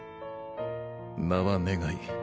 名は願い。